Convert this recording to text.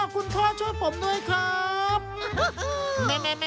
คุณพ่อช่วยผมด้วยครับ